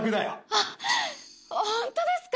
あっホントですか！？